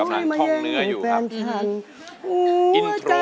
ค่ะช่างทงเนื้ออยู่ครับ